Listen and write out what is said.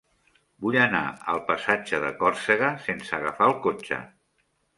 Vull anar al passatge de Còrsega sense agafar el cotxe.